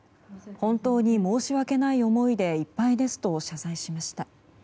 本当に申し訳ない思いでいっぱいですと謝罪しました。